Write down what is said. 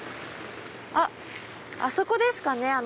あっあそこですかね？